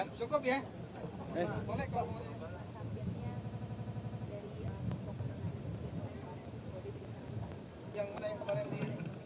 yang mana yang kemarin di